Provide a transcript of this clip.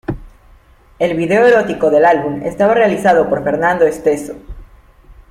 El video erótico del álbum estaba realizado por Fernando Esteso.